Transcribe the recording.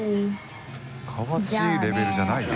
「かわちぃ」レベルじゃないよ。